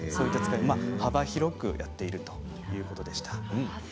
幅広くなっているということです。